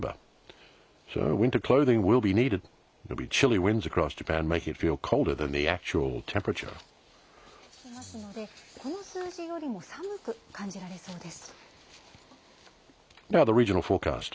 広く冷たい風が吹きますので、この数字よりも寒く感じられそうです。